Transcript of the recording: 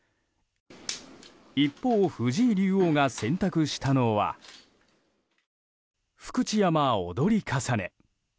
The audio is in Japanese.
一方、藤井竜王が選択したのは福知山踊かさね。